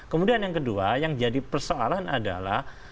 kemudian yang kedua yang jadi persoalan adalah